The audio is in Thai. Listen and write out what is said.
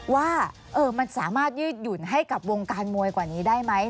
ว่ามันสามารถยืดหยุ่นให้กับวงการมวยกว่านี้ได้ไหม